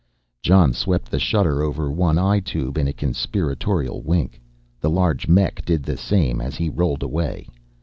Jon swept the shutter over one eye tube in a conspiratorial wink, the large mech did the same as he rolled away.